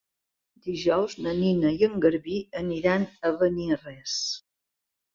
Dijous na Nina i en Garbí aniran a Beniarrés.